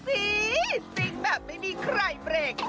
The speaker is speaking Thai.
เอาสิสิ่งแบบไม่มีใครเบรก